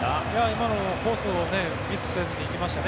今のコースをミスせずに行きましたね。